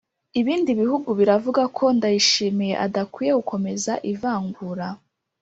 Ibindi bihugu biravuga ko Ndayishimiye adakwiye gukomeza ivangura.